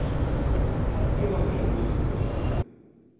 Зі співами й музикою.